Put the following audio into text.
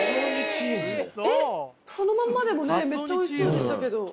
そのまんまでもめっちゃおいしそうでしたけど。